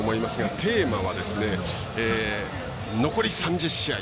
テーマは、残り３０試合。